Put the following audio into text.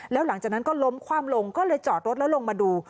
แล้วหลังจากนั้นก็ล้มคว่ำลงก็เลยจอดรถแล้วลงมาดู